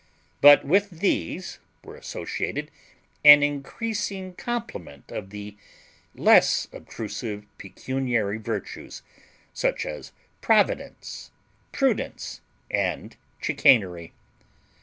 But with these were associated an increasing complement of the less obtrusive pecuniary virtues; such as providence, prudence, and chicanery.